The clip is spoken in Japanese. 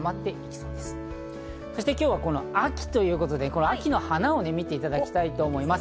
そして今日はこの秋ということで秋の花を見ていただきたいと思います。